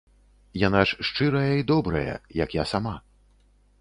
Яна ж шчырая і добрая, як я сама.